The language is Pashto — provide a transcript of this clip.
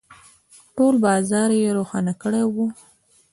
، ټول بازار يې روښانه کړی و.